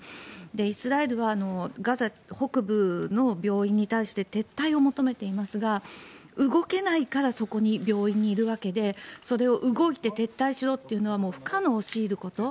イスラエルはガザ北部の病院に対して撤退を求めていますが動けないからそこに病院にいるわけでそれを動いて撤退しろというのはもう不可能を強いること。